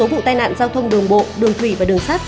để phục vụ tai nạn giao thông đường bộ đường thủy và đường sắt